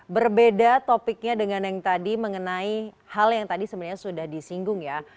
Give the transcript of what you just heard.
berbeda topiknya dengan yang tadi mengenai hal yang tadi sebenarnya sudah disinggung ya